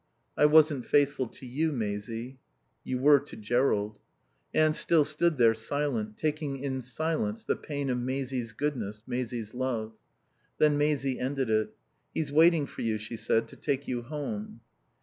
"I wasn't faithful to you, Maisie." "You were to Jerrold." Anne still stood there, silent, taking in silence the pain of Maisie's goodness, Maisie's love. Then Maisie ended it. "He's waiting for you," she said, "to take you home."